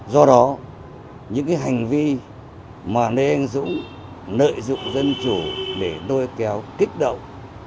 do đó những cái hành vi mà lê anh dũng nợi dụng dân chủ để đôi kéo kích động